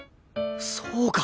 そうか！